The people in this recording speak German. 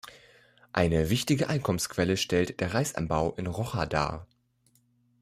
Eine wichtige Einkommensquelle stellt der Reisanbau in Rocha dar.